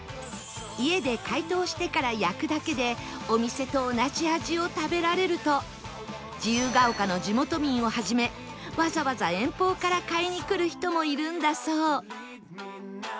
家で解凍してから焼くだけでお店と同じ味を食べられると自由が丘の地元民を始めわざわざ遠方から買いに来る人もいるんだそう